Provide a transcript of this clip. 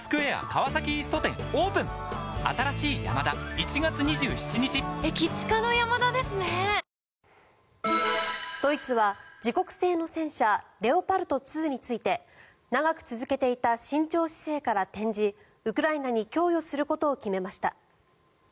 東京海上日動ドイツは自国製の戦車レオパルト２について長く続けていた慎重姿勢から転じウクライナに供与することを決めました。